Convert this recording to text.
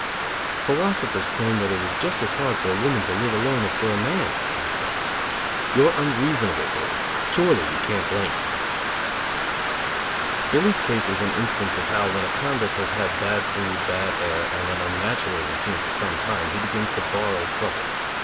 "Philosophers claim that it is just as hard for a woman to live alone as for a man," I said. "You're unreasonable, Billy. Surely you can't blame her." Billy's case is an instance of how, when a convict has had bad food, bad air and an unnatural routine for some time, he begins to borrow trouble.